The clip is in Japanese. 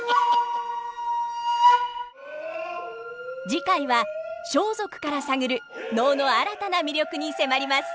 次回は装束から探る能の新たな魅力に迫ります。